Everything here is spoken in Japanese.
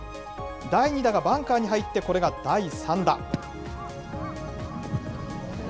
第２打がバンカーに入って、これが第３打。